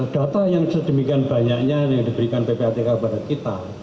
data yang sedemikian banyaknya yang diberikan ppatk kepada kita